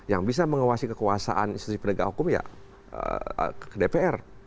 yang bisa mengawasi kekuasaan institusi penegak hukum ya ke dpr